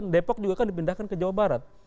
depok juga kan dipindahkan ke jawa barat